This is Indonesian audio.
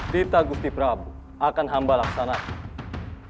kita gusti prabu akan hamba laksanakan